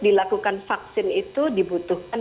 dilakukan vaksin itu dibutuhkan